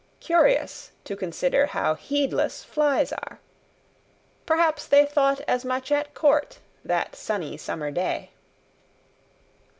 Curious to consider how heedless flies are! perhaps they thought as much at Court that sunny summer day.